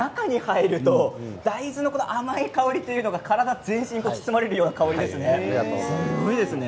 中に入りますと大豆の甘い香り体全身包まれるような香りですね。